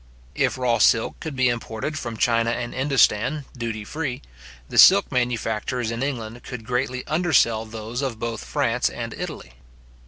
If raw silk could be imported from China and Indostan, duty free, the silk manufacturers in England could greatly undersell those of both France and Italy.